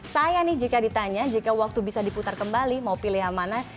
sayang nih jika ditanya jika waktu bisa diputar kembali mau pilih yang mana